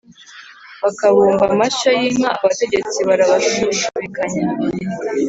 Bakabumba amashyo y’inka, Abategetsi barabashushubikanya,